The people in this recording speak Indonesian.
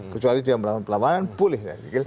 kecuali dia melawan pelawanan boleh ya